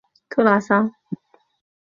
克拉桑。